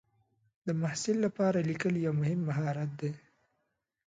د محصل لپاره لیکل یو مهم مهارت دی.